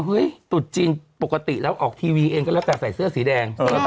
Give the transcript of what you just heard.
เฮ้ยตุดจีนปกติแล้วออกทีวีเองก็แล้วแต่ใส่เสื้อสีแดง